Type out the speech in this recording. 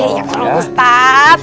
eh jangan saling ustadz